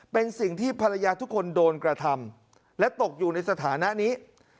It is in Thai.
เป็นสิ่งที่ภรรยาทุกคนโดนกระทำและตกอยู่ในสถานะนี้